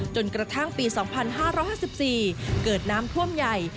จนกระทั่งปีสองพันห้าร้อยห้าสิบสี่เกิดน้ำท่วมใหญ่